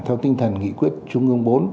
theo tinh thần nghị quyết trung ương bốn